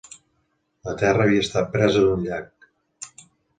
La terra havia estat presa d'un llac.